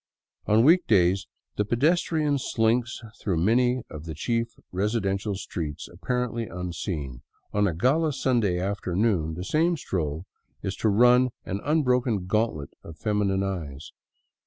On week days the pedestrian slinks through many of the chief resi dential streets apparently unseen; on a gala Sunday afternoon the same stroll is to run an unbroken gauntlet of feminine eyes.